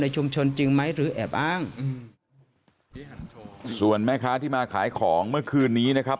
ชุมชนจริงไหมหรือแอบอ้างอืมส่วนแม่ค้าที่มาขายของเมื่อคืนนี้นะครับ